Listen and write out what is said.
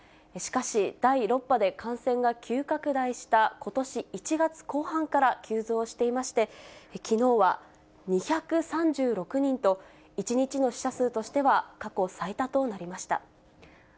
しかし、第６波で感染が急拡大したことし１月後半から急増していまして、きのうは２３６人と、１日の死者数としては過去最多となりました。